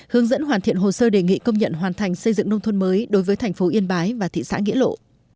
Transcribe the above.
hướng dẫn hoàn thiện hồ sơ đề nghị công nhận hoàn thành xây dựng nông thôn mới đối với thành phố yên bái và thị xã nghĩa lộ